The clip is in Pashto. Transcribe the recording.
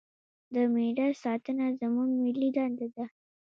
د میراث ساتنه زموږ ملي دنده ده.